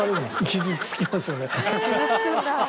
傷つきますよね。